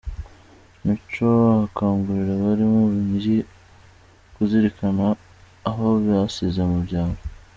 Mico akangurira abari mu mijyi kuzirikana abo basize mu byaro